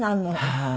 はい。